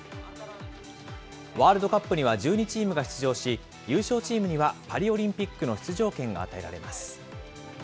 ワールドカップには１２チームが出場し、優勝チームには、パリオリンピックの出場権が与えられます。